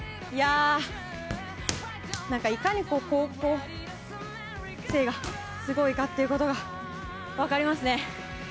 いかに高校生がすごいかってことが分かりますね。